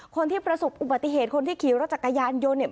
คนที่ประสบอุบัติเหตุคนที่ขี่รถจักรยานยนต์เนี่ย